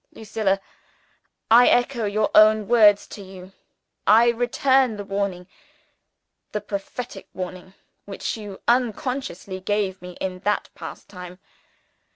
"Lucilla! I echo your own words to you. I return the warning the prophetic warning which you unconsciously gave me in that past time.